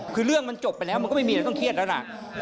คือเรื่องมันจบไปแล้วมันก็ไม่มีอะไรต้องเครียดแล้วล่ะ